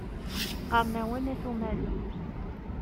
Qqaṛen-awen At Umalu.